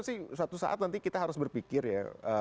sih suatu saat nanti kita harus berpikir ya